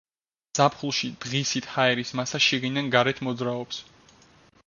ზაფხულში დღისით ჰაერის მასა შიგნიდან გარეთ მოძრაობს.